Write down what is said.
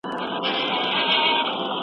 آيا انسان د قوانينو په لټه کي دی؟